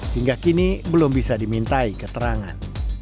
hingga kini belum bisa dimintai keterangan